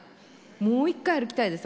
もう一回歩きたいです